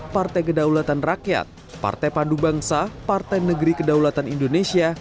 partai kedaulatan rakyat partai pandu bangsa partai negeri kedaulatan indonesia